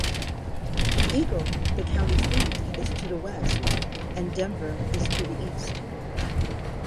Eagle, the county seat, is to the west, and Denver is to the east.